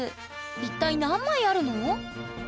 一体何枚あるの？